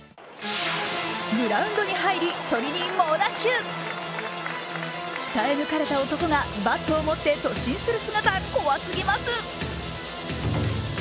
グラウンドに入り、鳥に猛ダッシュ鍛え抜かれた男がバットを持って突進する姿、怖すぎます。